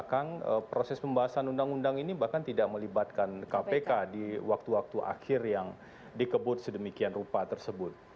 karena proses pembahasan undang undang ini bahkan tidak melibatkan kpk di waktu waktu akhir yang dikebut sedemikian rupa tersebut